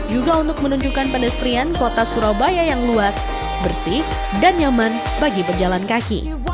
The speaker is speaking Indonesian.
juga untuk menunjukkan pedestrian kota surabaya yang luas bersih dan nyaman bagi berjalan kaki